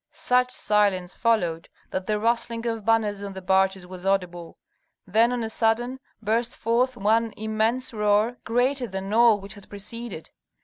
Such silence followed that the rustling of banners on the barges was audible. Then on a sudden burst forth one immense roar, greater than all which had preceded.